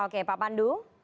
oke pak pandu